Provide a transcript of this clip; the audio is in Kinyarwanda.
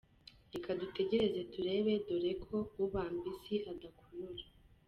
Reka dutegereze turebe dore ko ubamba isi adakurura…!”